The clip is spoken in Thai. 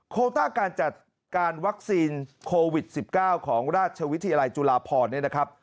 ต้าการจัดการวัคซีนโควิด๑๙ของราชวิทยาลัยจุฬาพรเนี่ยนะครับ